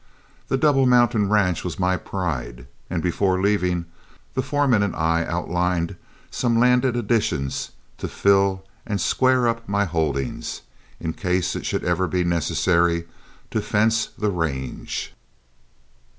The Double Mountain ranch was my pride, and before leaving, the foreman and I outlined some landed additions to fill and square up my holdings, in case it should ever be necessary to fence the range.